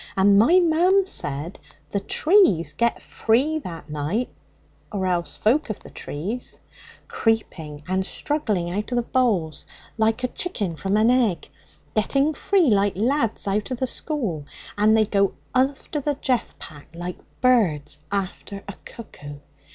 And my mam said the trees get free that night or else folk of the trees creeping and struggling out of the boles like a chicken from an egg getting free like lads out of school; and they go after the jeath pack like birds after a cuckoo.